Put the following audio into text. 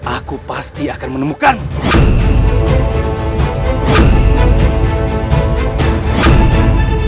aku pasti akan menemukanmu